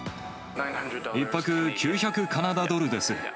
１泊９００カナダドルです。